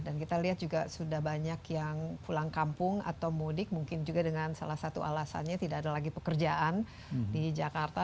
dan kita lihat juga sudah banyak yang pulang kampung atau mudik mungkin juga dengan salah satu alasannya tidak ada lagi pekerjaan di jakarta